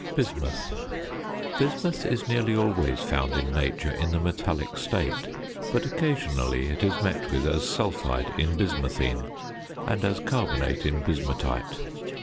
BISMUTH. Bismuth is nearly always found in nature in the metallic state; but occasionally it is met with as sulphide in bismuthine and as carbonate in bismutite.